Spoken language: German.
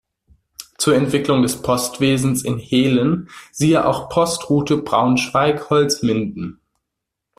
Zur Entwicklung des Postwesens in Hehlen siehe auch Postroute Braunschweig–Holzminden.